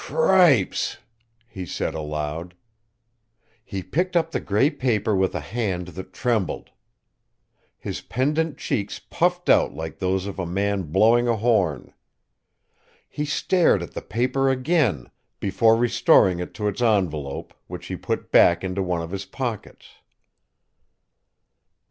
"Cripes!" he said aloud. He picked up the grey paper with a hand that trembled. His pendent cheeks puffed out like those of a man blowing a horn. He stared at the paper again, before restoring it to its envelope, which he put back into one of his pockets.